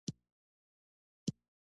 رښتینی مؤمن د خلکو ښېګڼه غواړي.